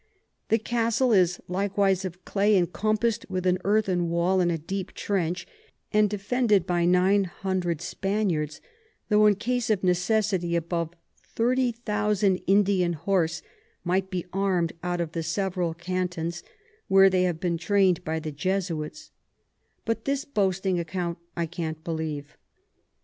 The Castle is likewise of Clay, encompass'd with an earthen Wall and a deep Trench, and defended by 900 Spaniards; tho in case of necessity above 30000 Indian Horse might be arm'd out of the several Cantons, where they have been train'd by the Jesuits: But this boasting Account I can't believe.